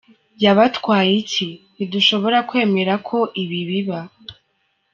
Yabatwaye iki? Ntidushobora kwemera ko ibi biba.